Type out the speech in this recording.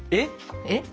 えっ？